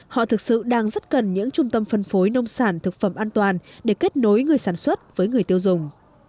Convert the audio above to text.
họ thực sự đang rất cần những trung tâm phân phối nông sản thực phẩm an toàn để kết nối người sản xuất với người tiêu dùng